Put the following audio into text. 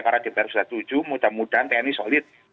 karena dia baru sudah tujuh mudah mudahan tni solid